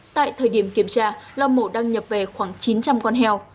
tại thời điểm kiểm tra lo mổ đang nhập về khoảng chín trăm linh con heo